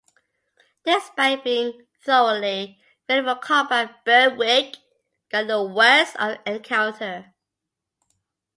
Despite being thoroughly ready for combat "Berwick" got the worst of the encounter.